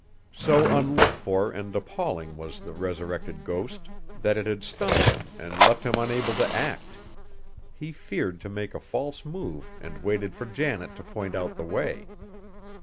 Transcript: So unlooked for and appalling was the resurrected ghost, that it had stunned him and left him unable to act. He feared to make a false move and waited for Janet to point out the way.